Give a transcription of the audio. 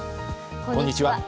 こんにちは。